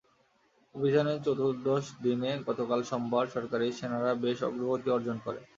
অভিযানের চতুর্দশ দিনে গতকাল সোমবার সরকারি সেনারা বেশ অগ্রগতি অর্জন করে।